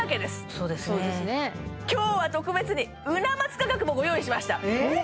そうですね今日は特別に鰻松価格もご用意しましたおっ